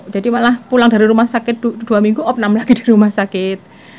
jadi malah pulang dari rumah sakit dua minggu op enam lagi di rumah sakit